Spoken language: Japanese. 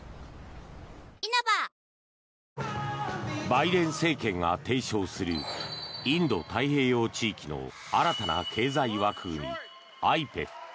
バイデン政権が提唱するインド太平洋地域の新たな経済枠組み、ＩＰＥＦ。